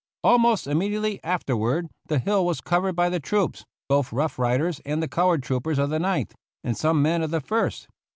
Almost immediately afterward the hill was cov ered by the troops, both Rough Riders and the colored troopers of the Ninth, and some men of the First.